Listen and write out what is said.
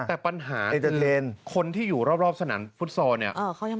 แต่ปัญหาคนที่อยู่รอบสนามฟุตซอลเนี่ย